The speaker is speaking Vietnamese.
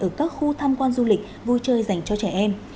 ở các khu tham quan du lịch vui chơi dành cho trẻ em